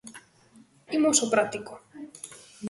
Imos ao práctico.